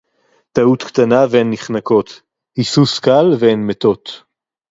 טָעוּת קְטַנָּה וְהֵן נֶחֱנָקוֹת, הִסּוּס קַל וְהֵן מֵתוֹת